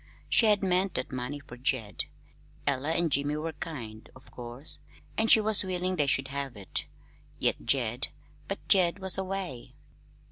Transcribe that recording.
She had meant that money for Jed. Ella and Jim were kind, of course, and she was willing they should have it; yet Jed but Jed was away.